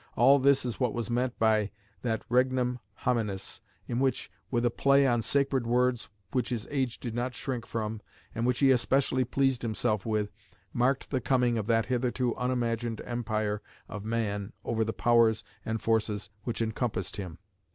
All this is what was meant by that Regnum Hominis, which, with a play on sacred words which his age did not shrink from, and which he especially pleased himself with, marked the coming of that hitherto unimagined empire of man over the powers and forces which encompassed him.